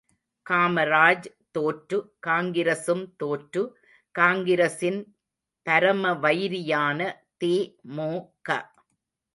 காமராஜ் தோற்று, காங்கிரசும் தோற்று, காங்கிரசின் பரமவைரியான தி.மு.க.